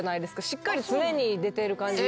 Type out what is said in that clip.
しっかり常に出てる感じ。